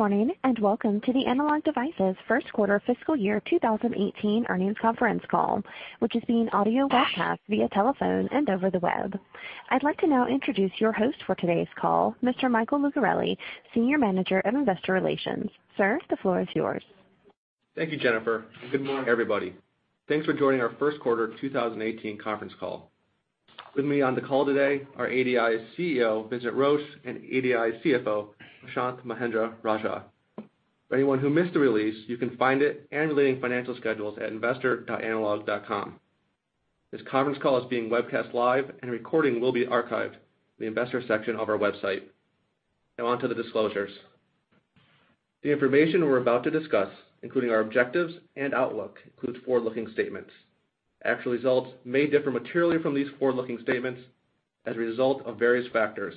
Good morning, welcome to the Analog Devices first quarter fiscal year 2018 earnings conference call, which is being audio webcast via telephone and over the web. I'd like to now introduce your host for today's call, Mr. Michael Lucarelli, Senior Manager of Investor Relations. Sir, the floor is yours. Thank you, Jennifer, good morning, everybody. Thanks for joining our first quarter 2018 conference call. With me on the call today are ADI's CEO, Vincent Roche, ADI's CFO, Prashanth Mahendra-Rajah. For anyone who missed the release, you can find it and relating financial schedules at investor.analog.com. This conference call is being webcast live, a recording will be archived in the investors section of our website. Now on to the disclosures. The information we're about to discuss, including our objectives and outlook, includes forward-looking statements. Actual results may differ materially from these forward-looking statements as a result of various factors,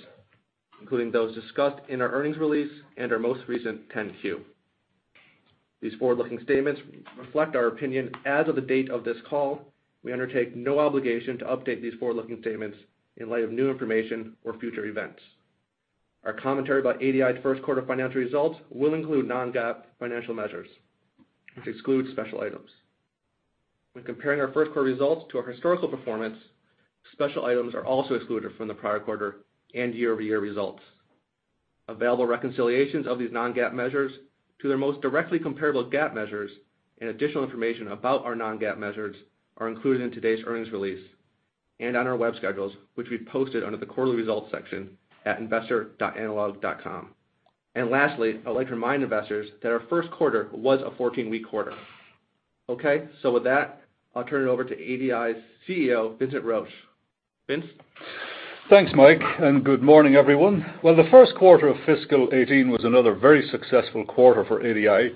including those discussed in our earnings release and our most recent 10-Q. These forward-looking statements reflect our opinion as of the date of this call. We undertake no obligation to update these forward-looking statements in light of new information or future events. Our commentary about ADI's first quarter financial results will include non-GAAP financial measures, which excludes special items. When comparing our first quarter results to our historical performance, special items are also excluded from the prior quarter and year-over-year results. Available reconciliations of these non-GAAP measures to their most directly comparable GAAP measures and additional information about our non-GAAP measures are included in today's earnings release and on our web schedules, which we've posted under the quarterly results section at investor.analog.com. Lastly, I'd like to remind investors that our first quarter was a 14-week quarter. Okay, with that, I'll turn it over to ADI's CEO, Vincent Roche. Vince? Thanks, Mike, good morning, everyone. Well, the first quarter of fiscal 2018 was another very successful quarter for ADI,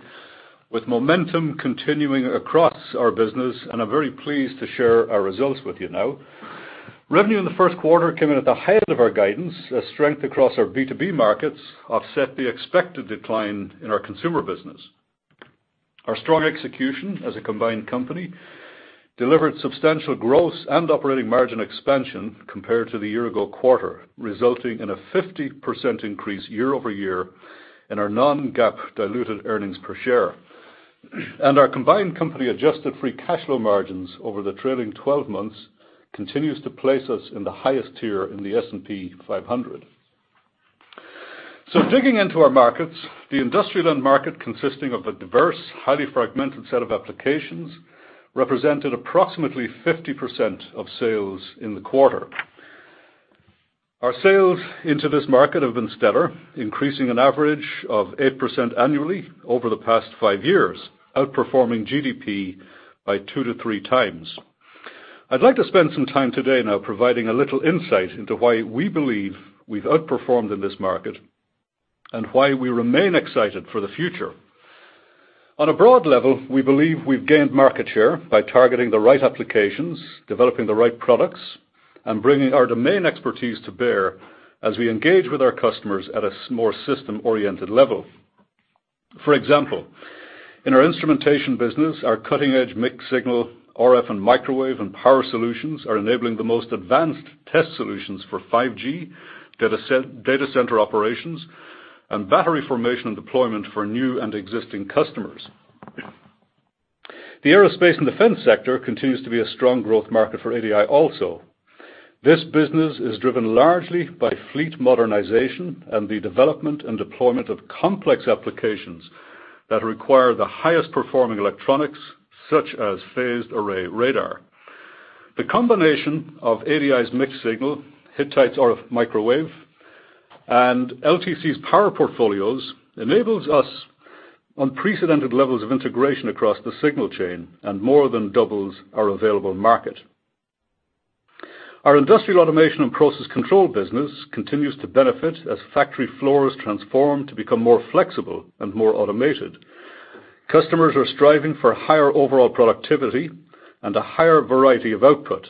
with momentum continuing across our business, I'm very pleased to share our results with you now. Revenue in the first quarter came in at the height of our guidance as strength across our B2B markets offset the expected decline in our consumer business. Our strong execution as a combined company delivered substantial growth and operating margin expansion compared to the year ago quarter, resulting in a 50% increase year-over-year in our non-GAAP diluted earnings per share. Our combined company adjusted free cash flow margins over the trailing 12 months continues to place us in the highest tier in the S&P 500. Digging into our markets, the industrial end market, consisting of a diverse, highly fragmented set of applications, represented approximately 50% of sales in the quarter. Our sales into this market have been stellar, increasing an average of 8% annually over the past five years, outperforming GDP by two to three times. I'd like to spend some time today now providing a little insight into why we believe we've outperformed in this market and why we remain excited for the future. On a broad level, we believe we've gained market share by targeting the right applications, developing the right products, and bringing our domain expertise to bear as we engage with our customers at a more system-oriented level. For example, in our instrumentation business, our cutting-edge mixed-signal RF, and microwave, and power solutions are enabling the most advanced test solutions for 5G data center operations and battery formation and deployment for new and existing customers. The aerospace and defense sector continues to be a strong growth market for ADI also. This business is driven largely by fleet modernization and the development and deployment of complex applications that require the highest performing electronics, such as phased array radar. The combination of ADI's mixed-signal, Hittite's RF microwave, and LTC's power portfolios enables us unprecedented levels of integration across the signal chain and more than doubles our available market. Our industrial automation and process control business continues to benefit as factory floors transform to become more flexible and more automated. Customers are striving for higher overall productivity and a higher variety of output.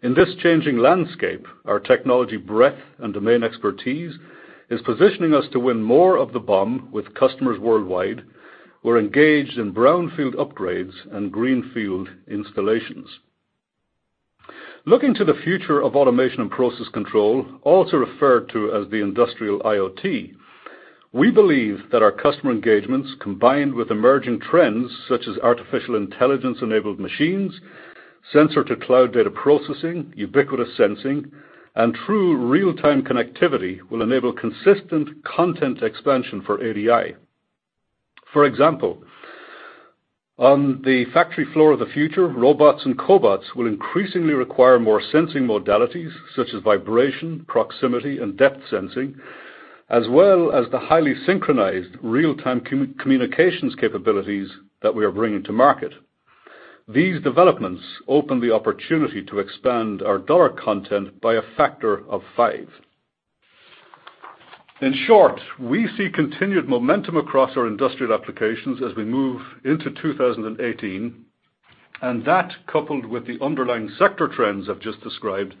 In this changing landscape, our technology breadth and domain expertise is positioning us to win more of the BOM with customers worldwide. We're engaged in brownfield upgrades and greenfield installations. Looking to the future of automation and process control, also referred to as the industrial IoT, we believe that our customer engagements, combined with emerging trends such as artificial intelligence-enabled machines, sensor to cloud data processing, ubiquitous sensing, and true real-time connectivity will enable consistent content expansion for ADI. For example, on the factory floor of the future, robots and cobots will increasingly require more sensing modalities, such as vibration, proximity, and depth sensing, as well as the highly synchronized real-time communications capabilities that we are bringing to market. These developments open the opportunity to expand our dollar content by a factor of five. In short, we see continued momentum across our industrial applications as we move into 2018, and that, coupled with the underlying sector trends I've just described,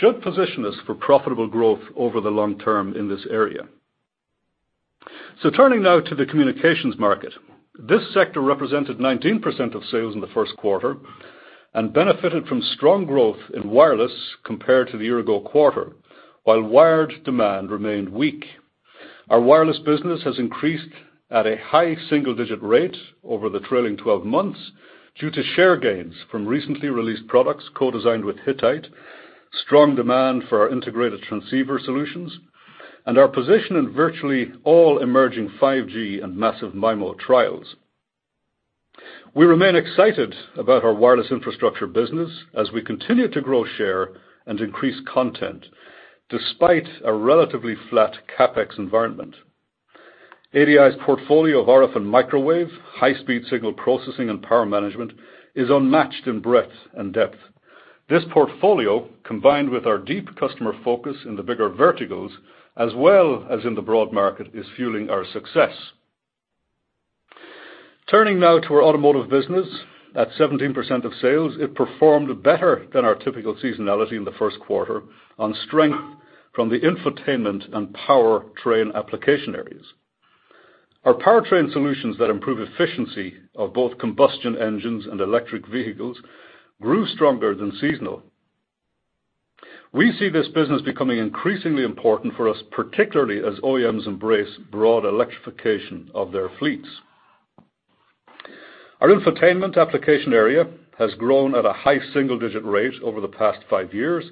should position us for profitable growth over the long term in this area. Turning now to the communications market. This sector represented 19% of sales in the first quarter. Benefited from strong growth in wireless compared to the year-ago quarter, while wired demand remained weak. Our wireless business has increased at a high single-digit rate over the trailing 12 months due to share gains from recently released products co-designed with Hittite, strong demand for our integrated transceiver solutions, and our position in virtually all emerging 5G and massive MIMO trials. We remain excited about our wireless infrastructure business as we continue to grow share and increase content, despite a relatively flat CapEx environment. ADI's portfolio of RF and microwave, high-speed signal processing and power management is unmatched in breadth and depth. This portfolio, combined with our deep customer focus in the bigger verticals as well as in the broad market, is fueling our success. Turning now to our automotive business. At 17% of sales, it performed better than our typical seasonality in the first quarter on strength from the infotainment and powertrain application areas. Our powertrain solutions that improve efficiency of both combustion engines and electric vehicles grew stronger than seasonal. We see this business becoming increasingly important for us, particularly as OEMs embrace broad electrification of their fleets. Our infotainment application area has grown at a high single-digit rate over the past five years,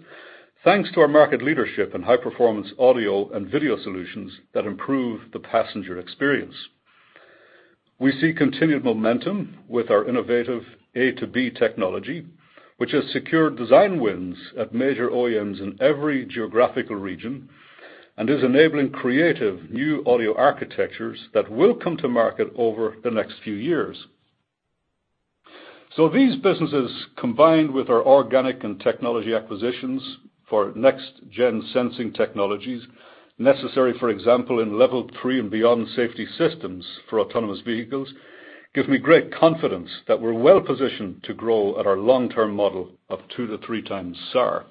thanks to our market leadership in high-performance audio and video solutions that improve the passenger experience. We see continued momentum with our innovative A2B technology, which has secured design wins at major OEMs in every geographical region and is enabling creative new audio architectures that will come to market over the next few years. These businesses, combined with our organic and technology acquisitions for next-gen sensing technologies necessary, for example, in level 3 and beyond safety systems for autonomous vehicles, give me great confidence that we're well positioned to grow at our long-term model of two to three times SAAR.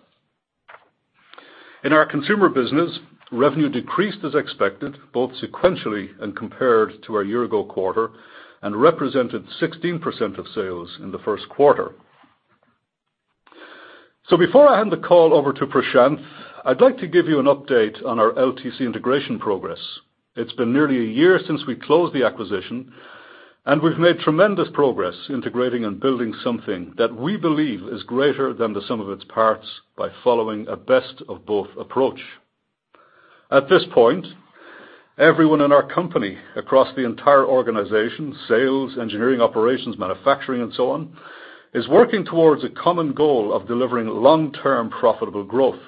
In our consumer business, revenue decreased as expected, both sequentially and compared to our year-ago quarter, and represented 16% of sales in the first quarter. Before I hand the call over to Prashanth, I'd like to give you an update on our LTC integration progress. It's been nearly a year since we closed the acquisition, and we've made tremendous progress integrating and building something that we believe is greater than the sum of its parts by following a best-of-both approach. At this point, everyone in our company across the entire organization, sales, engineering, operations, manufacturing, and so on, is working towards a common goal of delivering long-term profitable growth.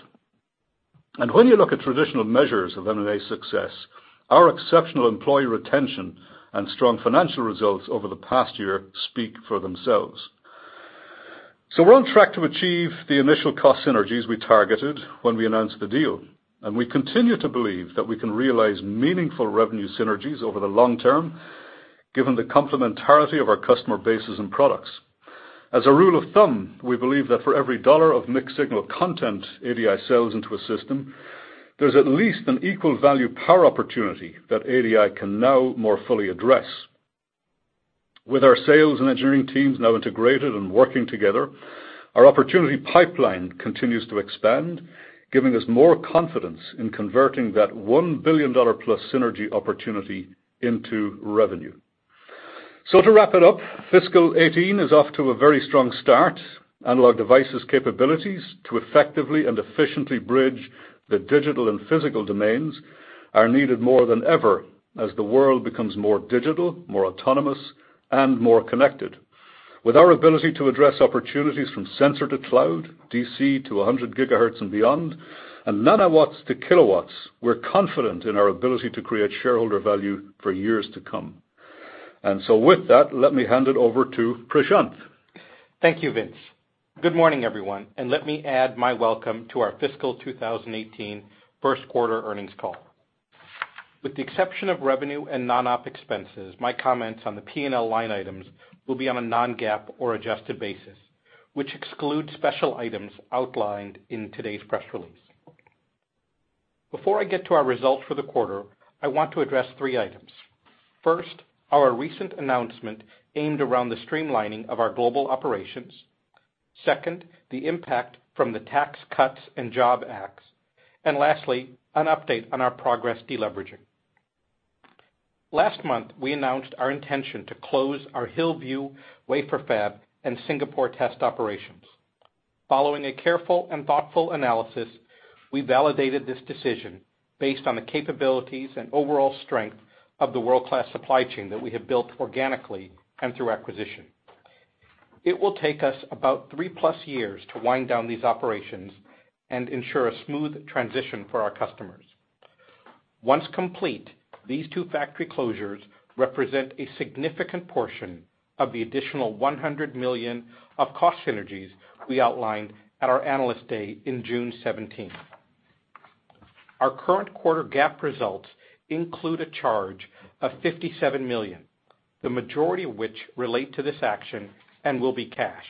When you look at traditional measures of M&A success, our exceptional employee retention and strong financial results over the past year speak for themselves. We're on track to achieve the initial cost synergies we targeted when we announced the deal, and we continue to believe that we can realize meaningful revenue synergies over the long term given the complementarity of our customer bases and products. As a rule of thumb, we believe that for every dollar of mixed-signal content ADI sells into a system, there's at least an equal value power opportunity that ADI can now more fully address. With our sales and engineering teams now integrated and working together, our opportunity pipeline continues to expand, giving us more confidence in converting that $1 billion-plus synergy opportunity into revenue. To wrap it up, fiscal 2018 is off to a very strong start. Analog Devices' capabilities to effectively and efficiently bridge the digital and physical domains are needed more than ever as the world becomes more digital, more autonomous, and more connected. With our ability to address opportunities from sensor to cloud, DC to 100 gigahertz and beyond, and nanowatts to kilowatts, we're confident in our ability to create shareholder value for years to come. With that, let me hand it over to Prashanth. Thank you, Vince. Good morning, everyone, and let me add my welcome to our fiscal 2018 first quarter earnings call. With the exception of revenue and non-op expenses, my comments on the P&L line items will be on a non-GAAP or adjusted basis, which excludes special items outlined in today's press release. Before I get to our results for the quarter, I want to address three items. First, our recent announcement aimed around the streamlining of our global operations. Second, the impact from the Tax Cuts and Jobs Act. Lastly, an update on our progress deleveraging. Last month, we announced our intention to close our Hillview wafer fab and Singapore test operations. Following a careful and thoughtful analysis, we validated this decision based on the capabilities and overall strength of the world-class supply chain that we have built organically and through acquisition. It will take us about three-plus years to wind down these operations and ensure a smooth transition for our customers. Once complete, these two factory closures represent a significant portion of the additional $100 million of cost synergies we outlined at our Analyst Day in June 2017. Our current quarter GAAP results include a charge of $57 million, the majority of which relate to this action and will be cash.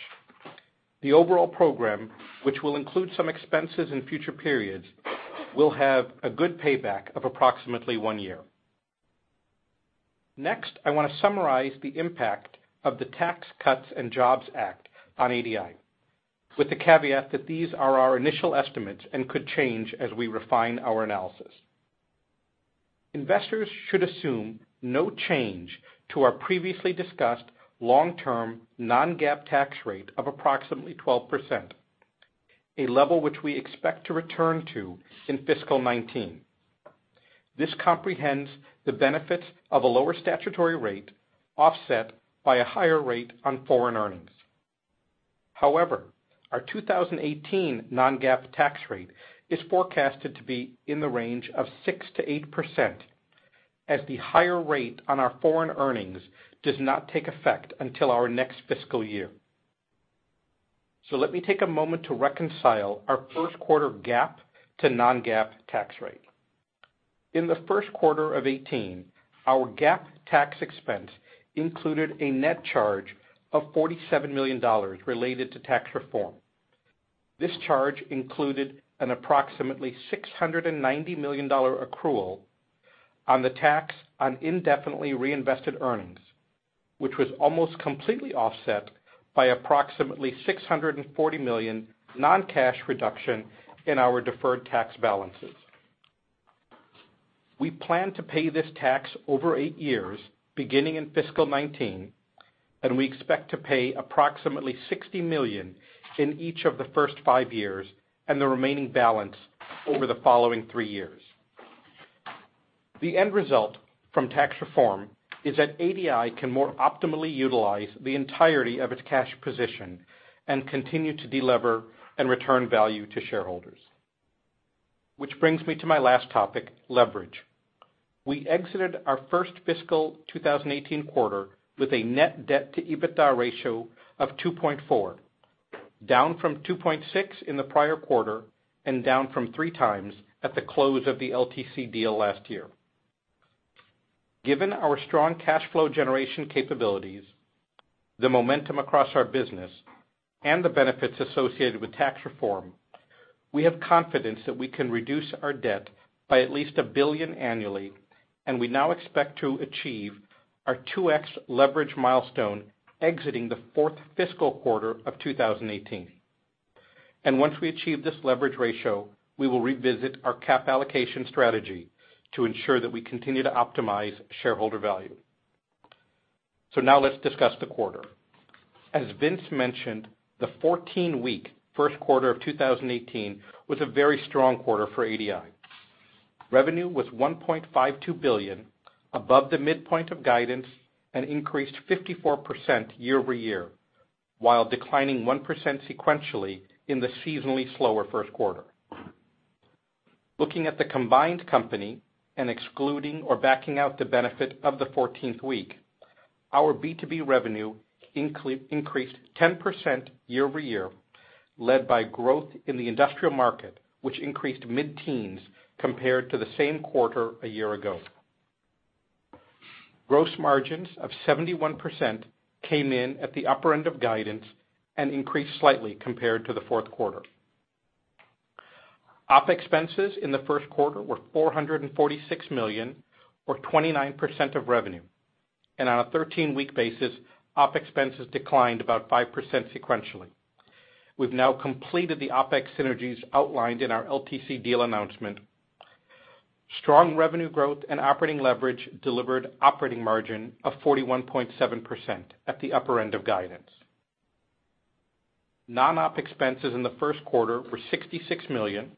The overall program, which will include some expenses in future periods, will have a good payback of approximately one year. Next, I want to summarize the impact of the Tax Cuts and Jobs Act on ADI, with the caveat that these are our initial estimates and could change as we refine our analysis. Investors should assume no change to our previously discussed long-term non-GAAP tax rate of approximately 12%, a level which we expect to return to in fiscal 2019. This comprehends the benefits of a lower statutory rate offset by a higher rate on foreign earnings. However, our 2018 non-GAAP tax rate is forecasted to be in the range of 6%-8%, as the higher rate on our foreign earnings does not take effect until our next fiscal year. Let me take a moment to reconcile our first quarter GAAP to non-GAAP tax rate. In the first quarter of 2018, our GAAP tax expense included a net charge of $47 million related to tax reform. This charge included an approximately $690 million accrual on the tax on indefinitely reinvested earnings, which was almost completely offset by approximately $640 million non-cash reduction in our deferred tax balances. We plan to pay this tax over eight years, beginning in fiscal 2019, and we expect to pay approximately $60 million in each of the first five years and the remaining balance over the following three years. The end result from tax reform is that ADI can more optimally utilize the entirety of its cash position and continue to de-lever and return value to shareholders. Which brings me to my last topic, leverage. We exited our first fiscal 2018 quarter with a net debt to EBITDA ratio of 2.4, down from 2.6 in the prior quarter and down from three times at the close of the LTC deal last year. Given our strong cash flow generation capabilities, the momentum across our business, and the benefits associated with tax reform, we have confidence that we can reduce our debt by at least $1 billion annually, and we now expect to achieve our 2x leverage milestone exiting the fourth fiscal quarter of 2018. Once we achieve this leverage ratio, we will revisit our cap allocation strategy to ensure that we continue to optimize shareholder value. Now let's discuss the quarter. As Vince mentioned, the 14-week first quarter of 2018 was a very strong quarter for ADI. Revenue was $1.52 billion, above the midpoint of guidance and increased 54% year-over-year, while declining 1% sequentially in the seasonally slower first quarter. Looking at the combined company and excluding or backing out the benefit of the 14th week, our B2B revenue increased 10% year-over-year, led by growth in the industrial market, which increased mid-teens compared to the same quarter a year ago. Gross margins of 71% came in at the upper end of guidance and increased slightly compared to the fourth quarter. OpEx in the first quarter were $446 million or 29% of revenue. On a 13-week basis, OpEx declined about 5% sequentially. We've now completed the OpEx synergies outlined in our LTC deal announcement. Strong revenue growth and operating leverage delivered operating margin of 41.7% at the upper end of guidance. Non-op expenses in the first quarter were $66 million.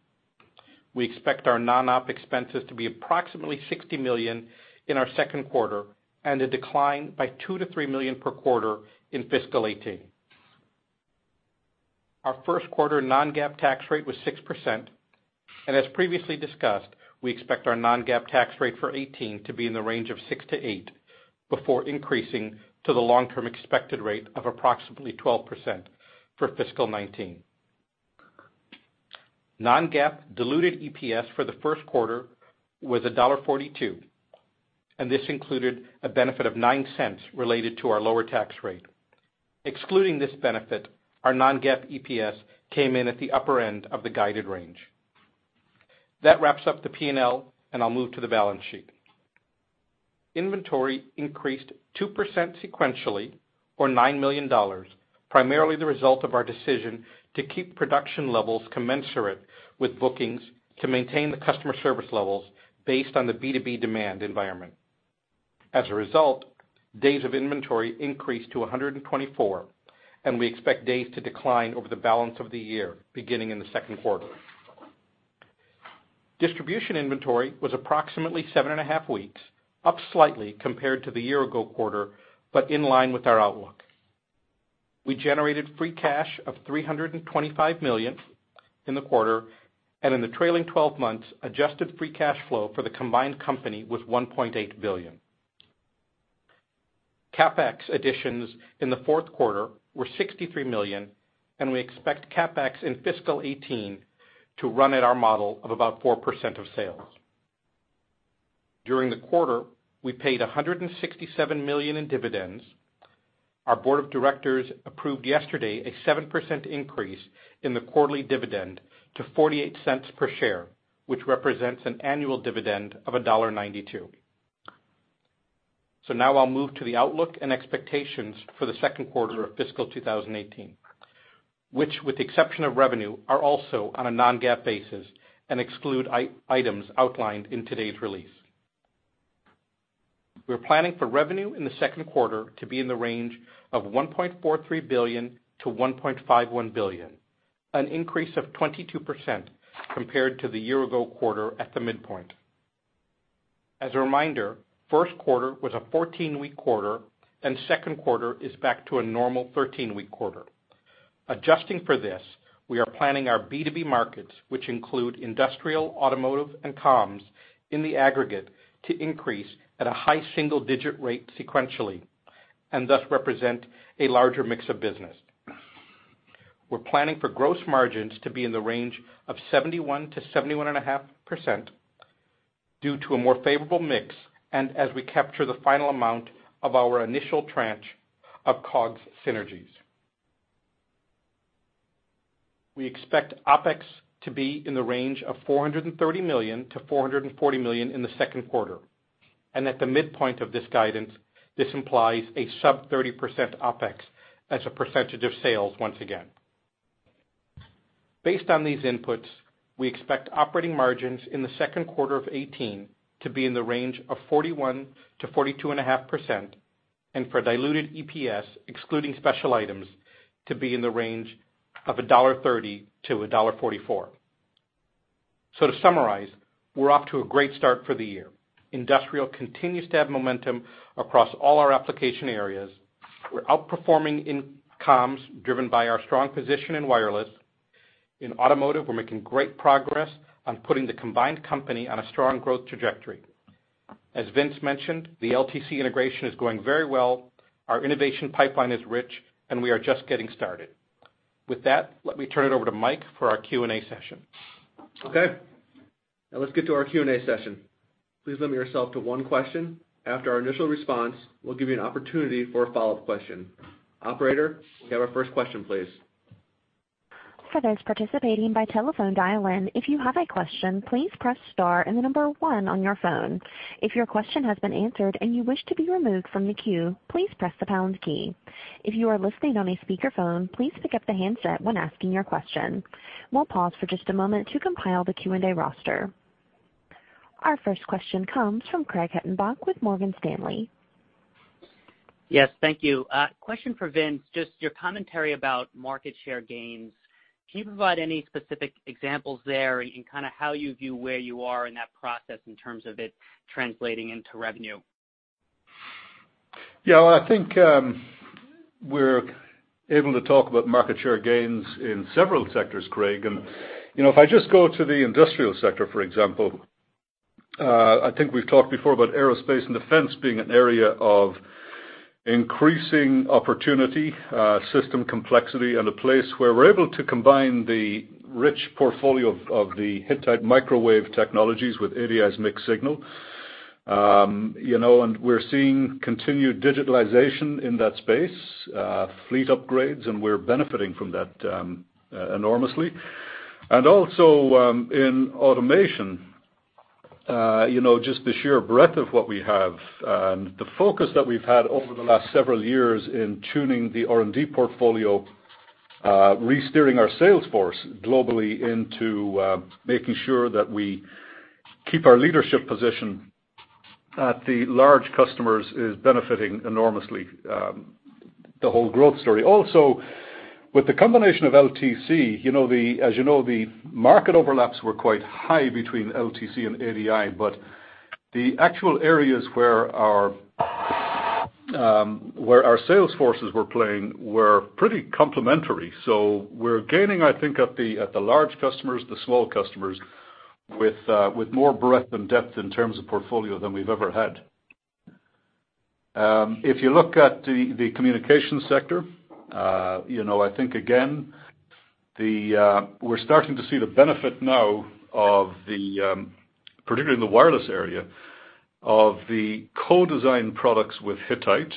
We expect our non-op expenses to be approximately $60 million in our second quarter and a decline by $2 million-$3 million per quarter in fiscal 2018. Our first quarter non-GAAP tax rate was 6%. As previously discussed, we expect our non-GAAP tax rate for 2018 to be in the range of 6%-8% before increasing to the long-term expected rate of approximately 12% for fiscal 2019. Non-GAAP diluted EPS for the first quarter was $1.42, and this included a benefit of $0.09 related to our lower tax rate. Excluding this benefit, our non-GAAP EPS came in at the upper end of the guided range. That wraps up the P&L, and I'll move to the balance sheet. Inventory increased 2% sequentially or $9 million, primarily the result of our decision to keep production levels commensurate with bookings to maintain the customer service levels based on the B2B demand environment. As a result, days of inventory increased to 124, and we expect days to decline over the balance of the year, beginning in the second quarter. Distribution inventory was approximately seven and a half weeks, up slightly compared to the year-ago quarter, but in line with our outlook. We generated free cash of $325 million in the quarter, and in the trailing 12 months, adjusted free cash flow for the combined company was $1.8 billion. CapEx additions in the fourth quarter were $63 million, and we expect CapEx in fiscal 2018 to run at our model of about 4% of sales. During the quarter, we paid $167 million in dividends. Our board of directors approved yesterday a 7% increase in the quarterly dividend to $0.48 per share, which represents an annual dividend of $1.92. Now I'll move to the outlook and expectations for the second quarter of fiscal 2018, which with the exception of revenue, are also on a non-GAAP basis and exclude items outlined in today's release. We're planning for revenue in the second quarter to be in the range of $1.43 billion to $1.51 billion, an increase of 22% compared to the year-ago quarter at the midpoint. As a reminder, first quarter was a 14-week quarter, and second quarter is back to a normal 13-week quarter. Adjusting for this, we are planning our B2B markets, which include industrial, automotive, and comms, in the aggregate, to increase at a high single-digit rate sequentially, and thus represent a larger mix of business. We're planning for gross margins to be in the range of 71%-71.5% due to a more favorable mix and as we capture the final amount of our initial tranche of COGS synergies. We expect OpEx to be in the range of $430 million to $440 million in the second quarter, and at the midpoint of this guidance, this implies a sub 30% OpEx as a percentage of sales once again. Based on these inputs, we expect operating margins in the second quarter of 2018 to be in the range of 41%-42.5% and for diluted EPS, excluding special items, to be in the range of $1.30-$1.44. To summarize, we're off to a great start for the year. Industrial continues to have momentum across all our application areas. We're outperforming in comms, driven by our strong position in wireless. In automotive, we're making great progress on putting the combined company on a strong growth trajectory. As Vince mentioned, the LTC integration is going very well. Our innovation pipeline is rich, and we are just getting started. With that, let me turn it over to Mike for our Q&A session. Okay. Let's get to our Q&A session. Please limit yourself to one question. After our initial response, we'll give you an opportunity for a follow-up question. Operator, can we have our first question, please? For those participating by telephone dial-in, if you have a question, please press star and the number one on your phone. If your question has been answered and you wish to be removed from the queue, please press the pound key. If you are listening on a speakerphone, please pick up the handset when asking your question. We'll pause for just a moment to compile the Q&A roster. Our first question comes from Craig Hettenbach with Morgan Stanley. Yes, thank you. A question for Vince, just your commentary about market share gains. Can you provide any specific examples there in kind of how you view where you are in that process in terms of it translating into revenue? Yeah, I think we're able to talk about market share gains in several sectors, Craig. If I just go to the industrial sector, for example, I think we've talked before about aerospace and defense being an area of increasing opportunity, system complexity, and a place where we're able to combine the rich portfolio of the Hittite microwave technologies with ADI's mixed-signal. We're seeing continued digitalization in that space, fleet upgrades, and we're benefiting from that enormously. Also, in automation, just the sheer breadth of what we have and the focus that we've had over the last several years in tuning the R&D portfolio, re-steering our sales force globally into making sure that we keep our leadership position at the large customers is benefiting enormously the whole growth story. With the combination of LTC, as you know, the market overlaps were quite high between LTC and ADI, but the actual areas where our sales forces were playing were pretty complementary. We're gaining, I think, at the large customers, the small customers, with more breadth and depth in terms of portfolio than we've ever had. If you look at the communications sector, I think again, we're starting to see the benefit now, particularly in the wireless area, of the co-design products with Hittite,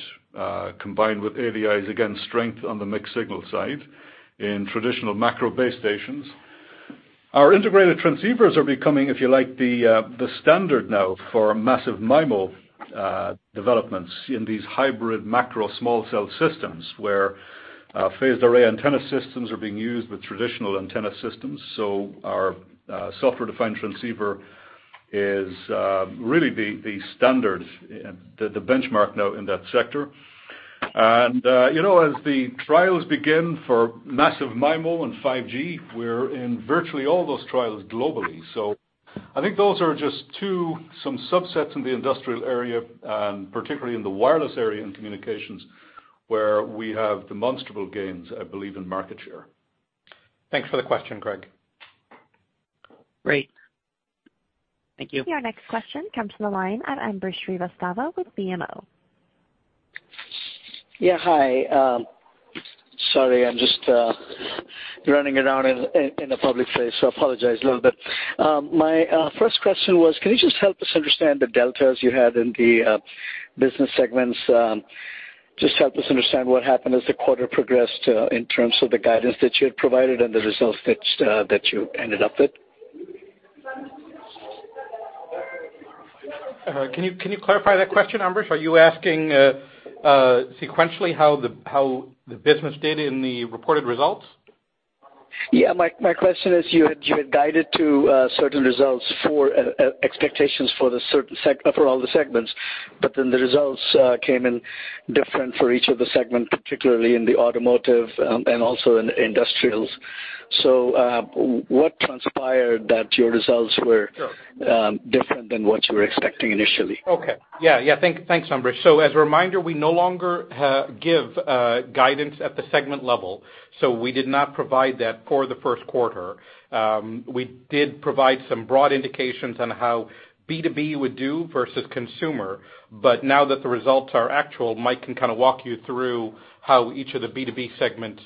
combined with ADI's, again, strength on the mixed-signal side in traditional macro base stations. Our integrated transceivers are becoming, if you like, the standard now for massive MIMO developments in these hybrid macro small cell systems, where phased array antenna systems are being used with traditional antenna systems. Our software-defined transceiver is really the standard, the benchmark now in that sector. As the trials begin for massive MIMO and 5G, we're in virtually all those trials globally. I think those are just two, some subsets in the industrial area, and particularly in the wireless area in communications, where we have demonstrable gains, I believe, in market share. Thanks for the question, Craig. Great. Thank you. Your next question comes from the line of Ambrish Srivastava with BMO. Yeah, hi Sorry, I'm just running around in a public place, so apologize a little bit. My first question was, can you just help us understand the deltas you had in the business segments? Just help us understand what happened as the quarter progressed in terms of the guidance that you had provided and the results that you ended up with. Can you clarify that question, Ambrish? Are you asking sequentially how the business did in the reported results? Yeah, my question is you had guided to certain results for expectations for all the segments, the results came in different for each of the segments, particularly in the Automotive, and also in Industrials. What transpired that your results were- Sure different than what you were expecting initially? Okay. Yeah. Thanks, Ambrish. As a reminder, we no longer give guidance at the segment level, we did not provide that for the first quarter. We did provide some broad indications on how B2B would do versus consumer, but now that the results are actual, Mike can kind of walk you through how each of the B2B segments,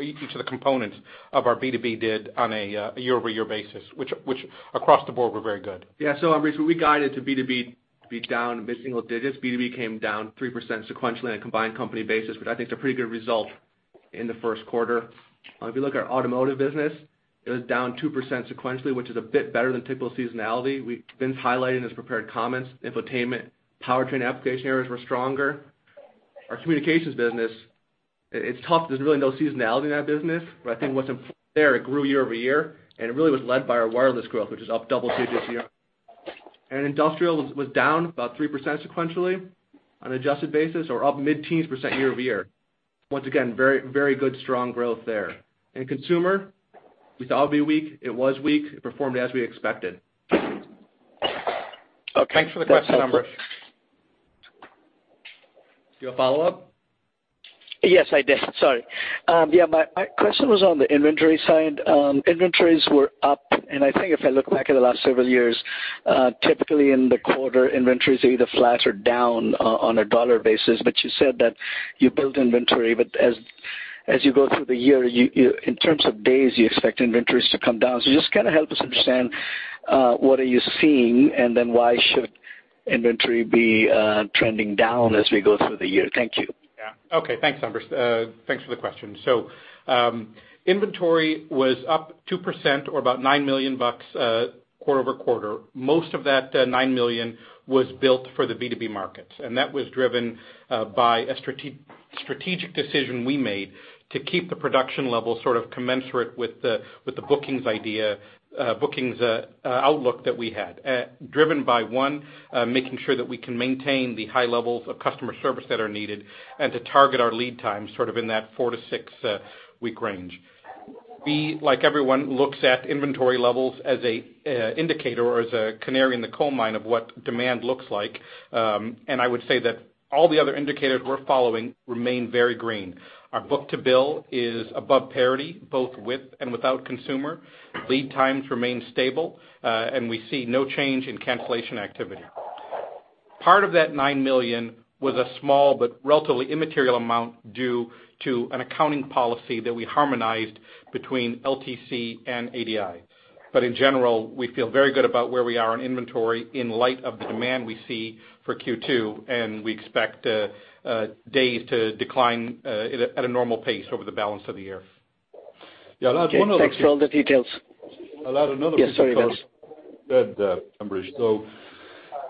each of the components of our B2B did on a year-over-year basis, which across the board were very good. Yeah. Ambrish, we guided to B2B to be down mid-single digits. B2B came down 3% sequentially on a combined company basis, which I think is a pretty good result in the first quarter. If you look at our Automotive business, it was down 2% sequentially, which is a bit better than typical seasonality. Vince highlighted in his prepared comments, infotainment, powertrain application areas were stronger. Our Communications business, it's tough. There's really no seasonality in that business, but I think what's important there, it grew year-over-year, and it really was led by our wireless growth, which is up double digits year-over-year. Industrial was down about 3% sequentially on adjusted basis or up mid-teens% year-over-year. Once again, very good strong growth there. In consumer, we thought it would be weak. It was weak. It performed as we expected. Okay. Thanks for the question, Ambrish. Do you have follow-up? Yes, I did. Sorry. My question was on the inventory side. Inventories were up, and I think if I look back at the last several years, typically in the quarter, inventories are either flat or down on a dollar basis, but you said that you built inventory. As you go through the year, in terms of days, you expect inventories to come down. Just kind of help us understand what are you seeing, why should inventory be trending down as we go through the year? Thank you. Okay, thanks, Ambrish. Thanks for the question. Inventory was up 2% or about $9 million quarter-over-quarter. Most of that $9 million was built for the B2B markets, that was driven by a strategic decision we made to keep the production level sort of commensurate with the bookings idea, bookings outlook that we had. Driven by, one, making sure that we can maintain the high levels of customer service that are needed and to target our lead times sort of in that 4- to 6-week range. B, like everyone, looks at inventory levels as an indicator or as a canary in the coal mine of what demand looks like. I would say that all the other indicators we're following remain very green. Our book-to-bill is above parity, both with and without consumer. Lead times remain stable, we see no change in cancellation activity. Part of that $9 million was a small but relatively immaterial amount due to an accounting policy that we harmonized between LTC and ADI. In general, we feel very good about where we are on inventory in light of the demand we see for Q2, we expect days to decline at a normal pace over the balance of the year. Okay. Thanks for all the details. I'll add another detail. Yeah, sorry, Vince. Ambrish.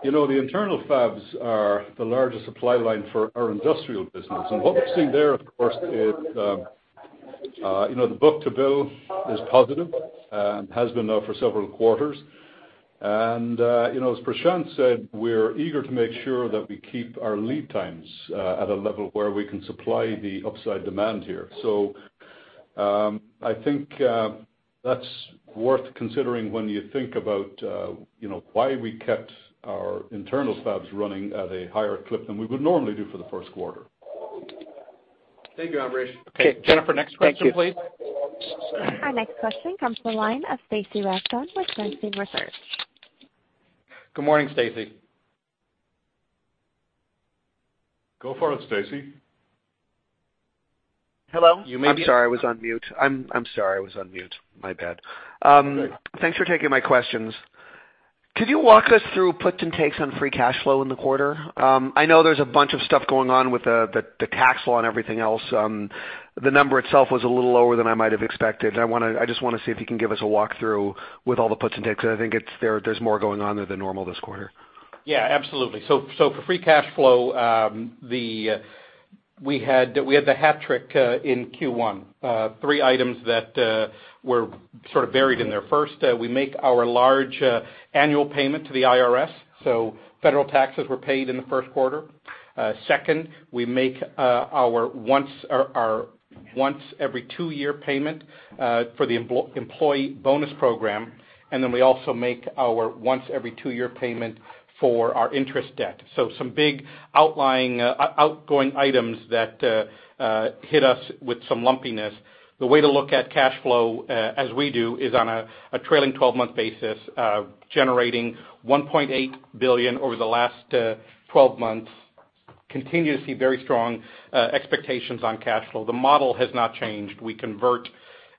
The internal fabs are the largest supply line for our industrial business. What we're seeing there, of course, is the book-to-bill is positive, and has been now for several quarters. As Prashanth said, we're eager to make sure that we keep our lead times at a level where we can supply the upside demand here. I think that's worth considering when you think about why we kept our internal fabs running at a higher clip than we would normally do for the first quarter. Thank you, Ambrish. Okay. Jennifer, next question, please. Thank you. Our next question comes from the line of Stacy Rasgon with Bernstein Research. Good morning, Stacy. Go for it, Stacy. Hello? You may be- I'm sorry, I was on mute. My bad. Okay. Thanks for taking my questions. Could you walk us through puts and takes on free cash flow in the quarter? I know there's a bunch of stuff going on with the tax law and everything else. The number itself was a little lower than I might have expected. I just want to see if you can give us a walkthrough with all the puts and takes. I think there's more going on there than normal this quarter. Yeah, absolutely. For free cash flow, we had the hat trick in Q1. Three items that were sort of buried in there. First, we make our large annual payment to the IRS, so federal taxes were paid in the first quarter. Second, we make our once every two year payment for the employee bonus program, and then we also make our once every two year payment for our interest debt. Some big outgoing items that hit us with some lumpiness. The way to look at cash flow, as we do, is on a trailing 12-month basis, generating $1.8 billion over the last 12 months. We continue to see very strong expectations on cash flow. The model has not changed. We convert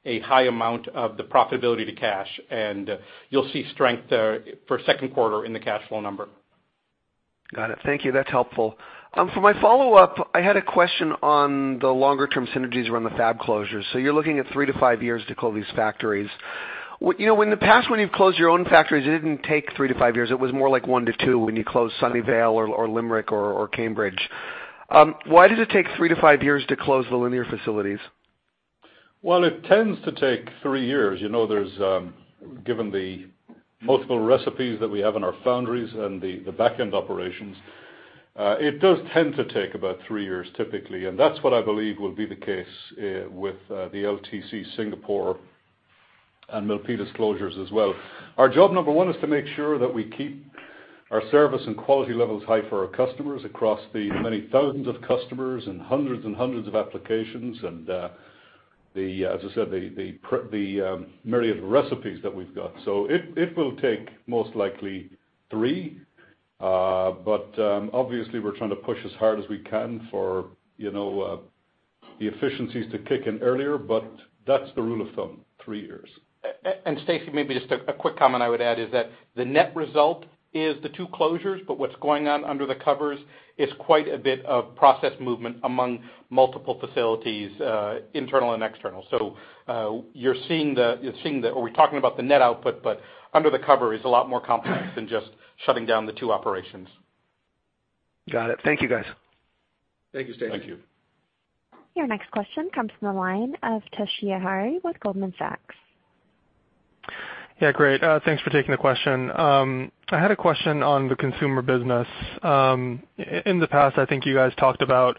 a high amount of the profitability to cash, and you'll see strength there for second quarter in the cash flow number. Got it. Thank you. That's helpful. For my follow-up, I had a question on the longer-term synergies around the fab closures. You're looking at 3-5 years to close these factories. In the past, when you've closed your own factories, it didn't take 3-5 years. It was more like 1-2 when you closed Sunnyvale or Limerick or Cambridge. Why does it take 3-5 years to close the linear facilities? It tends to take three years. Given the multiple recipes that we have in our foundries and the back-end operations, it does tend to take about three years typically, and that's what I believe will be the case with the LTC Singapore and Milpitas closures as well. Our job number one is to make sure that we keep our service and quality levels high for our customers across the many thousands of customers and hundreds and hundreds of applications and, as I said, the myriad of recipes that we've got. It will take most likely three, but obviously, we're trying to push as hard as we can for the efficiencies to kick in earlier, but that's the rule of thumb, three years. Stacy, maybe just a quick comment I would add is that the net result is the two closures, what's going on under the covers is quite a bit of process movement among multiple facilities, internal and external. We're talking about the net output, but under the covers is a lot more complex than just shutting down the two operations. Got it. Thank you, guys. Thank you, Stacy. Thank you. Your next question comes from the line of Toshiya Hari with Goldman Sachs. Yeah, great. Thanks for taking the question. I had a question on the consumer business. In the past, I think you guys talked about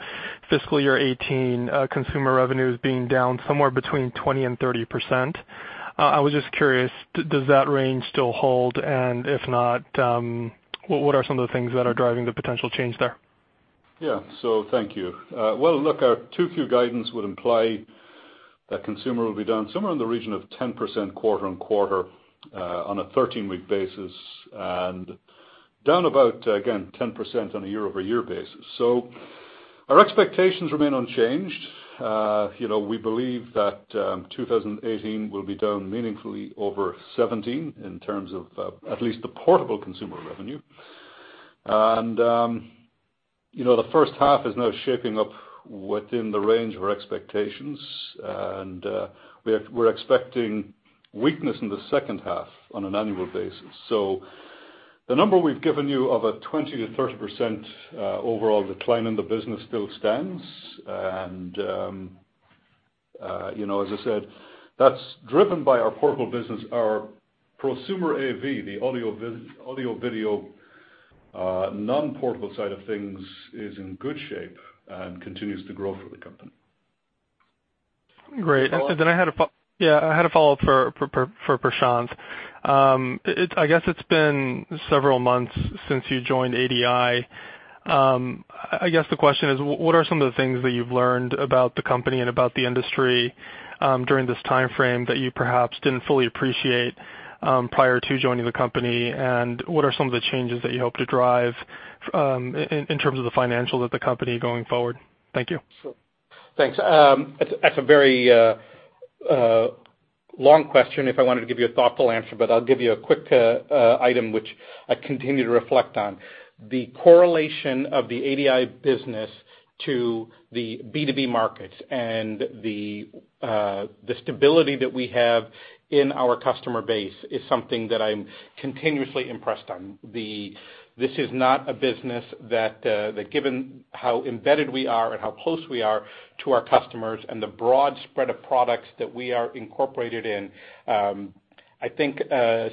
fiscal year 2018 consumer revenues being down somewhere between 20%-30%. I was just curious, does that range still hold? If not, what are some of the things that are driving the potential change there? Yeah. Thank you. Well, look, our 2Q guidance would imply that consumer will be down somewhere in the region of 10% quarter-over-quarter on a 13-week basis, and down about, again, 10% on a year-over-year basis. Our expectations remain unchanged. We believe that 2018 will be down meaningfully over 2017 in terms of at least the portable consumer revenue. The first half is now shaping up within the range of our expectations, and we're expecting weakness in the second half on an annual basis. The number we've given you of a 20%-30% overall decline in the business still stands. As I said, that's driven by our portable business. Our prosumer AV, the audio-video non-portable side of things, is in good shape and continues to grow for the company. Great. Follow up? Yeah, I had a follow-up for Prashanth. I guess it's been several months since you joined ADI. I guess the question is, what are some of the things that you've learned about the company and about the industry during this timeframe that you perhaps didn't fully appreciate prior to joining the company? What are some of the changes that you hope to drive in terms of the financials of the company going forward? Thank you. Sure. Thanks. That's a very long question if I wanted to give you a thoughtful answer, but I'll give you a quick item, which I continue to reflect on. The correlation of the ADI business to the B2B markets and the stability that we have in our customer base is something that I'm continuously impressed on. This is not a business that given how embedded we are and how close we are to our customers and the broad spread of products that we are incorporated in, I think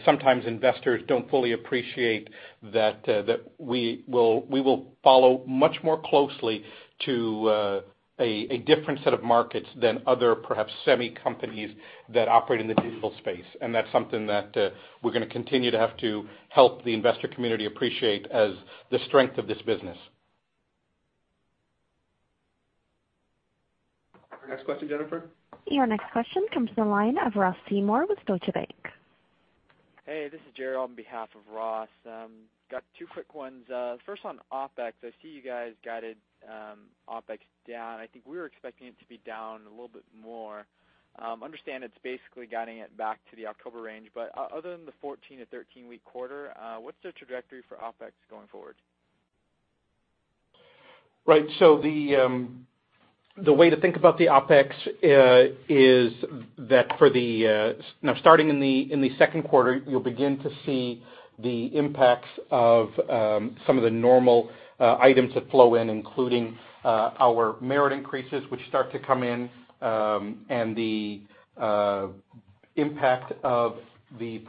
sometimes investors don't fully appreciate that we will follow much more closely to a different set of markets than other perhaps semi companies that operate in the digital space. That's something that we're going to continue to have to help the investor community appreciate as the strength of this business. Next question, Jennifer? Your next question comes from the line of Ross Seymore with Deutsche Bank. Hey, this is Gerald on behalf of Ross. Got two quick ones. First on OpEx, I see you guys guided OpEx down. I think we were expecting it to be down a little bit more. Understand it's basically guiding it back to the October range, but other than the 14 to 13-week quarter, what's the trajectory for OpEx going forward? Right. The way to think about the OpEx is that starting in the second quarter, you will begin to see the impacts of some of the normal items that flow in, including our merit increases, which start to come in, and the impact of the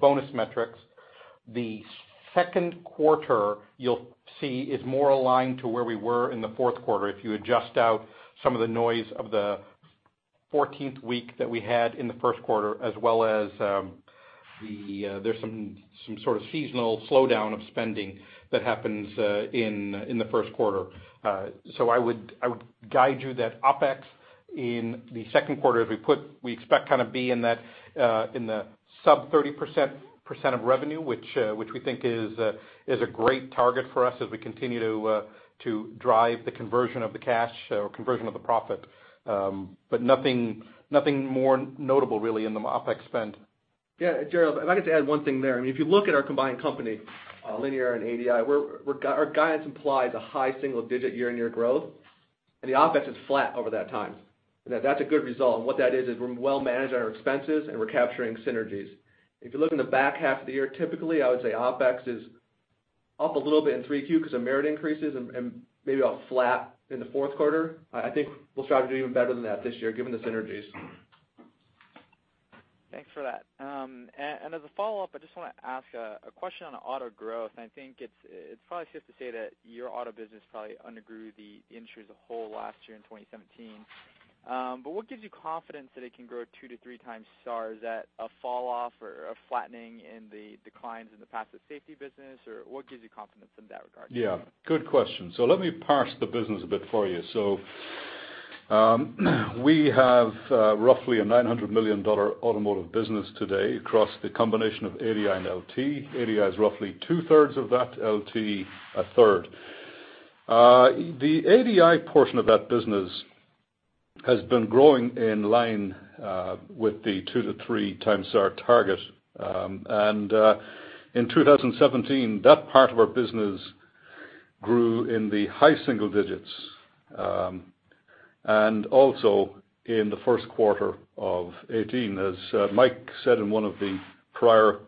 bonus metrics. The second quarter, you will see, is more aligned to where we were in the fourth quarter if you adjust out some of the noise of the 14th week that we had in the first quarter, as well as There is some sort of seasonal slowdown of spending that happens in the first quarter. I would guide you that OpEx in the second quarter, we expect kind of be in the sub 30% of revenue, which we think is a great target for us as we continue to drive the conversion of the cash or conversion of the profit. Nothing more notable really in the OpEx spend. Gerald, if I could add one thing there. I mean, if you look at our combined company, Linear and ADI, our guidance implies a high single-digit year-on-year growth, and the OpEx is flat over that time. That is a good result, and what that is we are well managing our expenses and we are capturing synergies. If you look in the back half of the year, typically, I would say OpEx is up a little bit in Q3 because of merit increases and maybe up flat in the fourth quarter. I think we will strive to do even better than that this year given the synergies. Thanks for that. As a follow-up, I just want to ask a question on auto growth, and I think it is probably safe to say that your auto business probably undergrew the industry as a whole last year in 2017. What gives you confidence that it can grow two to three times SAAR? Is that a fall off or a flattening in the declines in the passive safety business, or what gives you confidence in that regard? Yeah, good question. Let me parse the business a bit for you. We have roughly a $900 million automotive business today across the combination of ADI and LT. ADI is roughly two-thirds of that, LT a third. The ADI portion of that business has been growing in line with the two to three times our target. In 2017, that part of our business grew in the high single digits. Also in the first quarter of 2018, as Mike said in one of the prior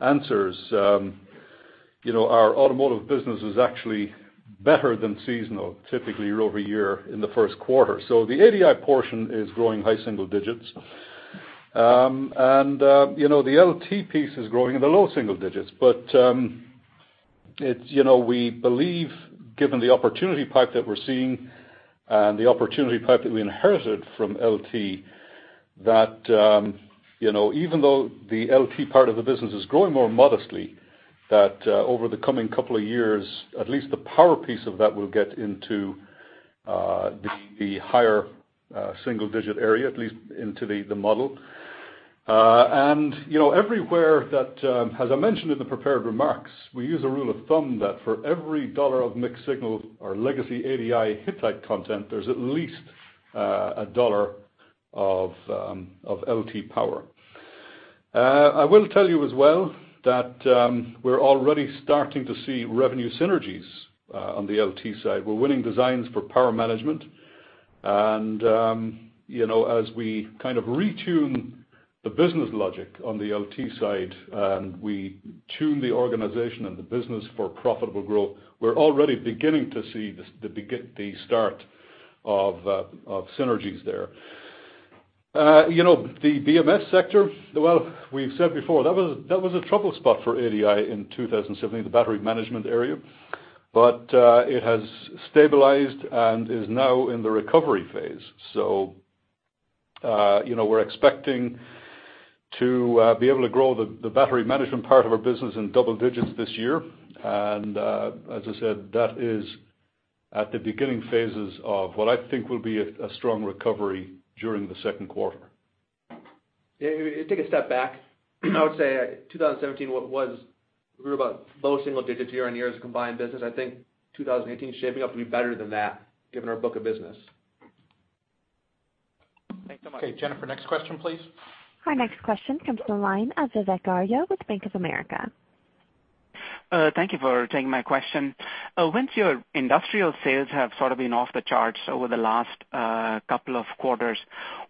answers, our automotive business is actually better than seasonal, typically year-over-year in the first quarter. The ADI portion is growing high single digits. The LT piece is growing in the low single digits. We believe given the opportunity pipe that we're seeing and the opportunity pipe that we inherited from LT, that even though the LT part of the business is growing more modestly, that over the coming couple of years, at least the power piece of that will get into the higher single digit area, at least into the model. Everywhere that as I mentioned in the prepared remarks, we use a rule of thumb that for every dollar of mixed-signal or legacy ADI/Hittite content, there's at least a dollar of LT power. I will tell you as well that we're already starting to see revenue synergies on the LT side. We're winning designs for power management. As we kind of retune the business logic on the LT side, and we tune the organization and the business for profitable growth, we're already beginning to see the start of synergies there. The BMS sector, we've said before, that was a trouble spot for ADI in 2017, the battery management area, it has stabilized and is now in the recovery phase. We're expecting to be able to grow the battery management part of our business in double digits this year. As I said, that is at the beginning phases of what I think will be a strong recovery during the second quarter. Yeah, take a step back. I would say 2017, we grew about low single digits year-on-year as a combined business. I think 2018 is shaping up to be better than that given our book of business. Thanks so much. Okay, Jennifer, next question, please. Our next question comes from the line of Vivek Arya with Bank of America. Thank you for taking my question. Vince, your industrial sales have sort of been off the charts over the last couple of quarters.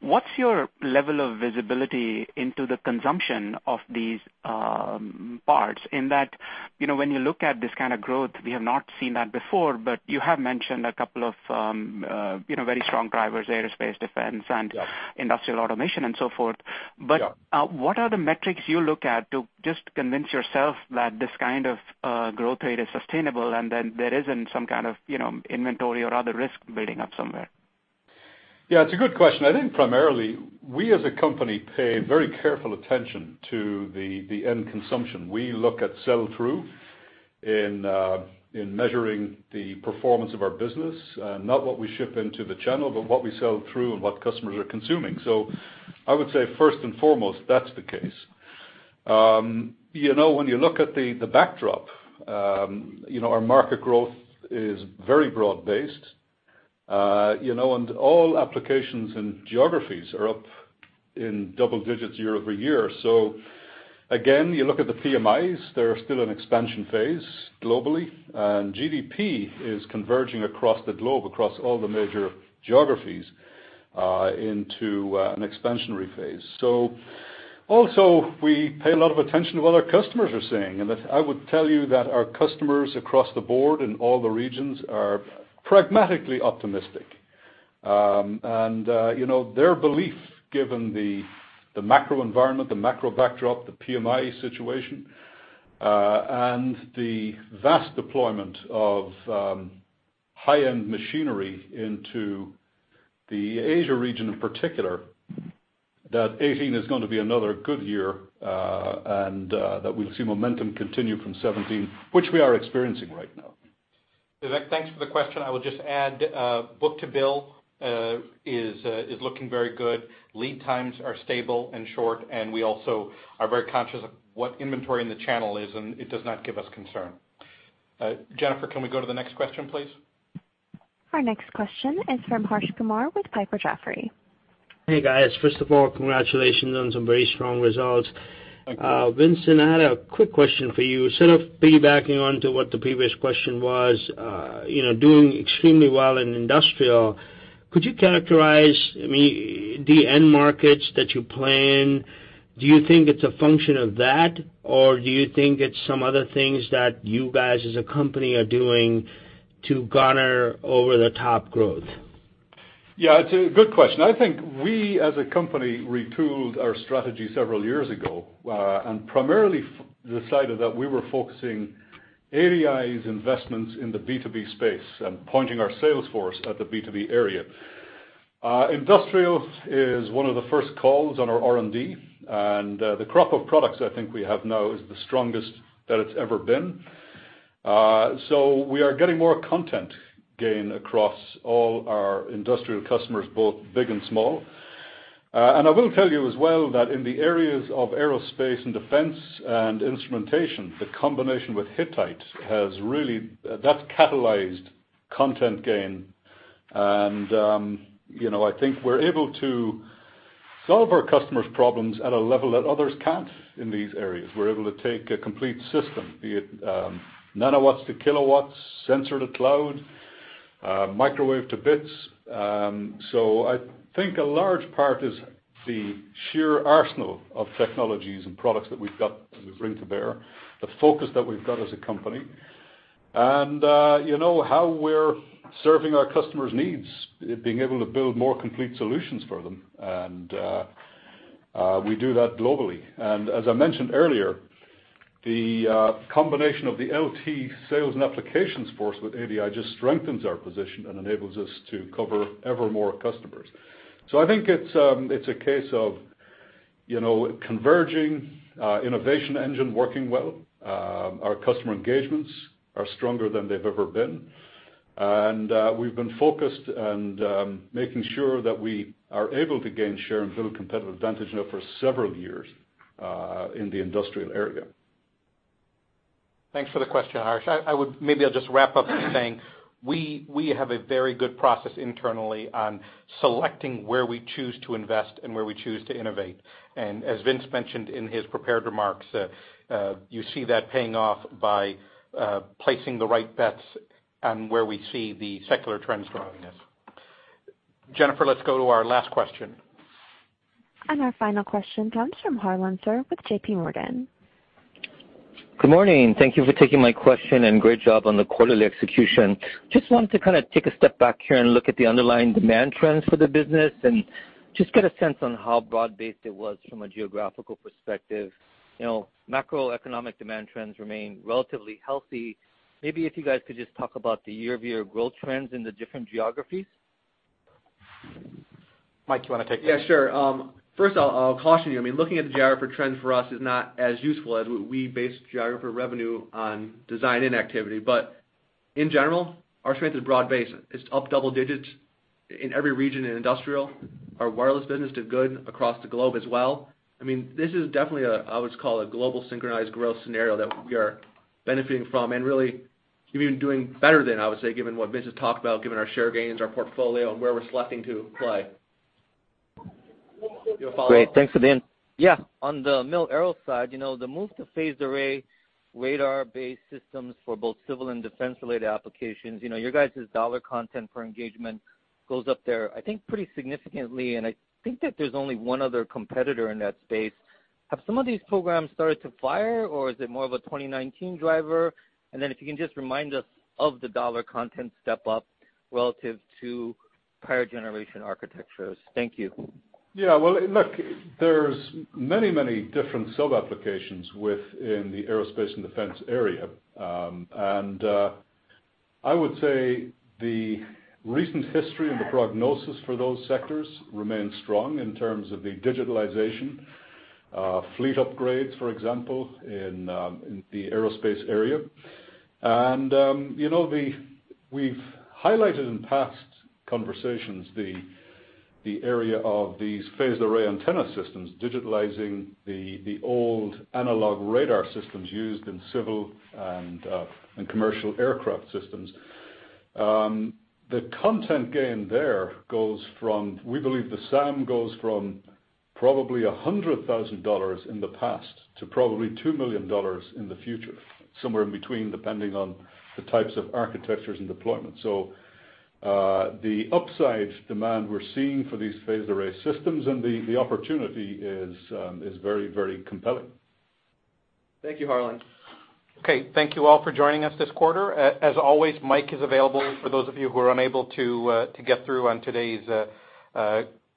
What's your level of visibility into the consumption of these parts in that when you look at this kind of growth, we have not seen that before, but you have mentioned a couple of very strong drivers, aerospace, defense. Yeah industrial automation and so forth. Yeah. What are the metrics you look at to just convince yourself that this kind of growth rate is sustainable, and then there isn't some kind of inventory or other risk building up somewhere? Yeah, it's a good question. I think primarily we as a company pay very careful attention to the end consumption. We look at sell through in measuring the performance of our business. Not what we ship into the channel, but what we sell through and what customers are consuming. I would say first and foremost, that's the case. When you look at the backdrop, our market growth is very broad-based. All applications and geographies are up in double digits year-over-year. Again, you look at the PMIs, they're still in expansion phase globally, and GDP is converging across the globe, across all the major geographies, into an expansionary phase. Also, we pay a lot of attention to what our customers are saying, and I would tell you that our customers across the board in all the regions are pragmatically optimistic. Their belief, given the macro environment, the macro backdrop, the PMI situation, and the vast deployment of high-end machinery into the Asia region in particular, that 2018 is going to be another good year, and that we'll see momentum continue from 2017, which we are experiencing right now. Vivek, thanks for the question. I would just add, book-to-bill is looking very good. Lead times are stable and short. We also are very conscious of what inventory in the channel is. It does not give us concern. Jennifer, can we go to the next question, please? Our next question is from Harsh Kumar with Piper Jaffray. Hey, guys. First of all, congratulations on some very strong results. Thank you. Vincent, I had a quick question for you. Sort of piggybacking onto what the previous question was, doing extremely well in industrial, could you characterize the end markets that you plan? Do you think it's a function of that, or do you think it's some other things that you guys as a company are doing to garner over the top growth? Yeah, it's a good question. I think we, as a company, retooled our strategy several years ago, and primarily decided that we were focusing ADI's investments in the B2B space and pointing our sales force at the B2B area. Industrial is one of the first calls on our R&D, and the crop of products I think we have now is the strongest that it's ever been. We are getting more content gain across all our industrial customers, both big and small. I will tell you as well, that in the areas of aerospace and defense and instrumentation, the combination with Hittite has really catalyzed content gain. I think we're able to solve our customers' problems at a level that others can't in these areas. We're able to take a complete system, be it nanowatts to kilowatts, sensor to cloud, microwave to bits. I think a large part is the sheer arsenal of technologies and products that we've got that we bring to bear, the focus that we've got as a company, and how we're serving our customers' needs, being able to build more complete solutions for them. We do that globally. As I mentioned earlier, the combination of the LT sales and applications force with ADI just strengthens our position and enables us to cover ever more customers. I think it's a case of converging innovation engine working well. Our customer engagements are stronger than they've ever been. We've been focused and making sure that we are able to gain share and build competitive advantage now for several years in the industrial area. Thanks for the question, Harsh. Maybe I'll just wrap up by saying we have a very good process internally on selecting where we choose to invest and where we choose to innovate. As Vince mentioned in his prepared remarks, you see that paying off by placing the right bets on where we see the secular trends growing. Yes. Jennifer, let's go to our last question. Our final question comes from Harlan Sur with J.P. Morgan. Good morning. Thank you for taking my question, and great job on the quarterly execution. Just wanted to kind of take a step back here and look at the underlying demand trends for the business and just get a sense on how broad-based it was from a geographical perspective. Macroeconomic demand trends remain relatively healthy. Maybe if you guys could just talk about the year-over-year growth trends in the different geographies. Mike, you want to take that? Yeah, sure. First I'll caution you. Looking at the geography trends for us is not as useful as we base geography revenue on design and activity. In general, our strength is broad-based. It's up double digits in every region in industrial. Our wireless business did good across the globe as well. This is definitely what I would call a global synchronized growth scenario that we are benefiting from, and really even doing better than, I would say, given what Vince has talked about, given our share gains, our portfolio, and where we're selecting to play. You have a follow-up? Great. Thanks, Vince. Yeah. On the mil aero side, the move to phased array radar-based systems for both civil and defense-related applications, your guys' $ content for engagement goes up there, I think, pretty significantly, and I think that there's only one other competitor in that space. Have some of these programs started to fire, or is it more of a 2019 driver? If you can just remind us of the $ content step-up relative to prior generation architectures. Thank you. Yeah. Well, look, there's many different sub-applications within the aerospace and defense area. I would say the recent history and the prognosis for those sectors remain strong in terms of the digitalization, fleet upgrades, for example, in the aerospace area. We've highlighted in past conversations the area of these phased array antenna systems, digitalizing the old analog radar systems used in civil and commercial aircraft systems. The content gain there, we believe the SAM goes from probably $100,000 in the past to probably $2 million in the future, somewhere in between, depending on the types of architectures and deployment. The upside demand we're seeing for these phased array systems and the opportunity is very compelling. Thank you, Harlan. Okay. Thank you all for joining us this quarter. As always, Mike is available for those of you who are unable to get through on today's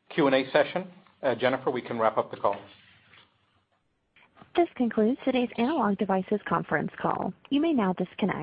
Q&A session. Jennifer, we can wrap up the call. This concludes today's Analog Devices conference call. You may now disconnect.